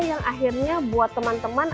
yang akhirnya buat teman teman